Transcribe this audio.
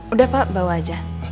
udah pak bawa aja